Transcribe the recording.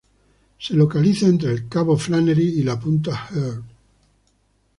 Se localiza entre el cabo Flannery y la punta Herd.